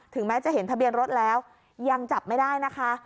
แม้จะเห็นทะเบียนรถแล้วยังจับไม่ได้นะคะ